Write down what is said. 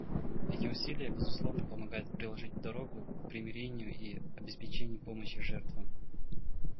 Эти усилия, безусловно, помогают проложить дорогу к примирению и обеспечению помощи жертвам.